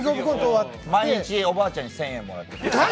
毎日おばあちゃんに１０００円もらってます